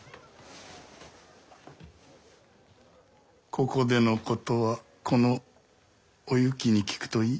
ここでのことはこのお雪に聞くといい。